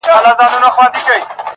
دا د هجر شپې به ټولي پرې سبا کړو,